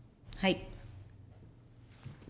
はい。